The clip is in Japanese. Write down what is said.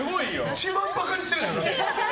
一番バカにしてるだろ！